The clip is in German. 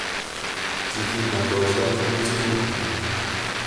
Sie flieht nach Deutschland, um ihn zu suchen.